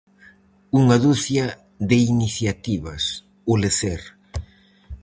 Unha ducia de iniciativas: o lecer.